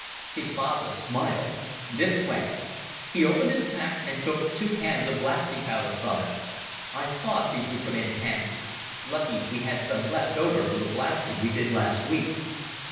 His father smiled. "This way." He opened his pack and took two cans of blasting powder from it. "I thought these would come in handy. Lucky we had some left over from the blasting we did last week."